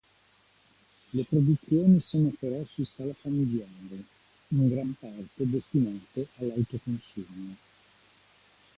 Le produzioni sono però su scala familiare, in gran parte destinate all'autoconsumo.